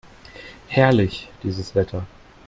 Herrlich, dieses Wetter!